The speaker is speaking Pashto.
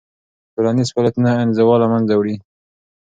ټولنیز فعالیتونه انزوا له منځه وړي.